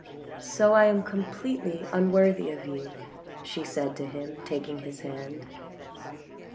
" So I am completely unworthy of you," she said to him, taking his hand.